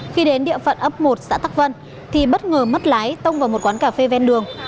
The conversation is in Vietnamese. khi đến địa phận ấp một xã tắc vân thì bất ngờ mất lái tông vào một quán cà phê ven đường